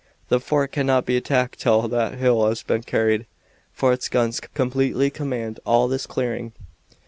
The fort cannot be attacked till that hill has been carried, for its guns completely command all this clearing."